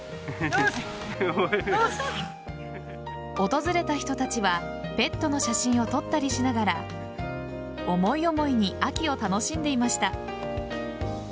訪れた人たちはペットの写真を撮ったりしながら思い思いに秋を楽しんでいました。